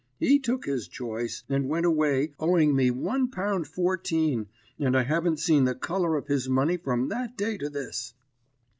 He took his choice, and went away owing me one pound fourteen, and I haven't seen the colour of his money from that day to this.